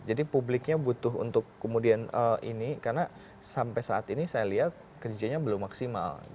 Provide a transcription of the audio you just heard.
jadi publiknya butuh untuk kemudian ini karena sampai saat ini saya lihat kerjanya belum maksimal